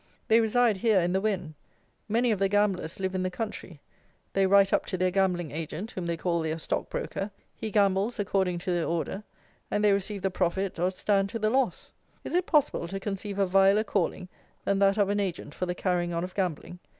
They reside here in the Wen; many of the gamblers live in the country; they write up to their gambling agent, whom they call their stockbroker; he gambles according to their order; and they receive the profit or stand to the loss. Is it possible to conceive a viler calling than that of an agent for the carrying on of gambling?